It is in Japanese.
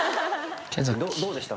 どうでした？